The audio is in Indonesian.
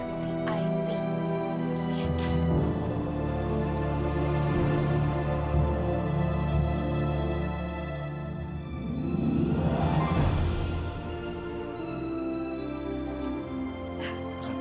tidak ada yang bisa dihukum